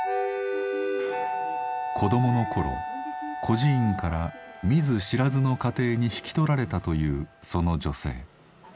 子どもの頃孤児院から見ず知らずの家庭に引き取られたというその女性。